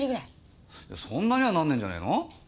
そんなになんねえんじゃねえの？